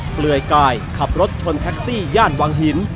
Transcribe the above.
เปลือยกายขับรถชนแท็กซี่ย่านวังหิน